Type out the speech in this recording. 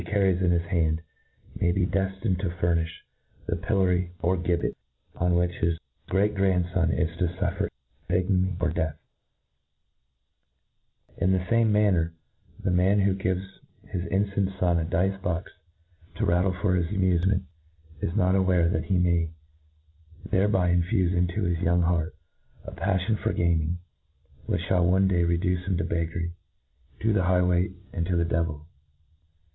parries in his hand, may be deftined to fumifli the pillory or gibbet, on which his great grand fon is to fuffcr ignominy or death. ■ In the fame manner^ INTRODUCTI ON, 53 ipanner, the man who gives his infant fpn'iei, dice box to rattip for his amufcment, is not a, warc that hp may' thereby infufe into his young heart a paffion for gaming, which ihali one day reduce him to beggary, to thp high way, and to jhe devil.